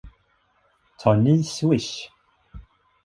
Tar ni swish?